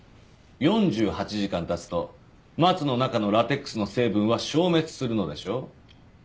４８時間経つとマツの中のラテックスの成分は消滅するのでしょう？